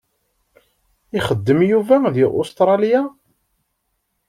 Ixeddem Yuba di Ustralya?